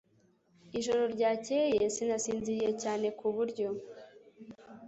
Ijoro ryakeye sinasinziriye cyane ku buryo